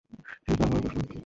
সেটা তো আমারও প্রশ্ন।